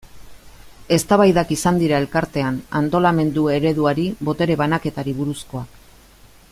Eztabaidak izan dira Elkartean, antolamendu ereduari, botere banaketari buruzkoak.